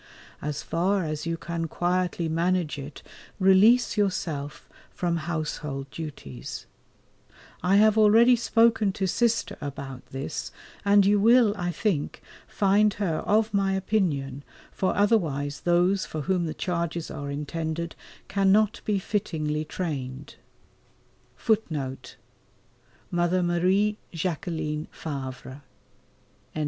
As far as you can quietly manage it release yourself from household duties. I have already spoken to Sister[A] about this, and you will, I think, find her of my opinion, for otherwise those for whom the charges are intended cannot be fittingly trained.